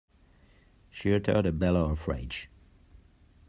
She uttered a bellow of rage.